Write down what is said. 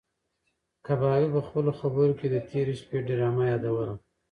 کبابي په خپلو خبرو کې د تېرې شپې ډرامه یادوله.